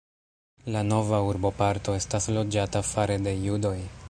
La nova urboparto estas loĝata fare de judoj.